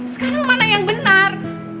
sekarang mana yang benar